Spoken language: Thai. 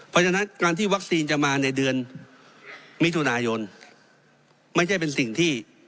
เพราะฉะนั้นการที่วัคซีนจะมาในเดือนมิถุนายนไม่ใช่เป็นสิ่งที่